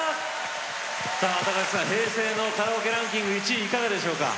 平成のカラオケランキング１位いかがでしょうか？